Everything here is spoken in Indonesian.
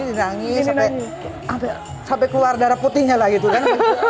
ini nangis sampe keluar darah putihnya lah gitu kan